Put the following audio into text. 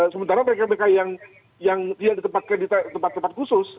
sementara mereka mereka yang tidak ditempatkan di tempat tempat khusus